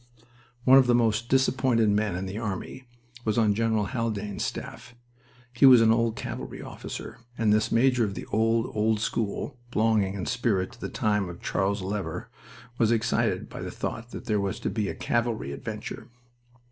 One of the most disappointed men in the army was on General Haldane's staff. He was an old cavalry officer, and this major of the old, old school (belonging in spirit to the time of Charles Lever) was excited by the thought that there was to be a cavalry adventure.